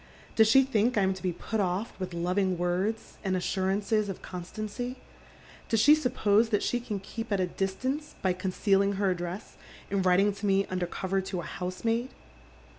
"Does she think I am to be put o££ with loving words and assurances of constancy ? Does she suppose that she can keep me at a distance by concealin.s: her address and writing to me under cover to a housemaid